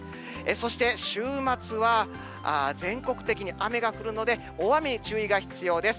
そして、週末は全国的に雨が降るので、大雨に注意が必要です。